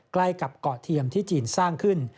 ใกล้กับเกาะเทียมที่จีนสร้างขึ้น